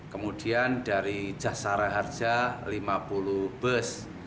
kemudian dari jasara harja lima puluh bus